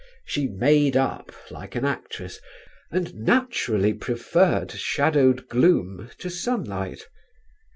She "made up" like an actress and naturally preferred shadowed gloom to sunlight.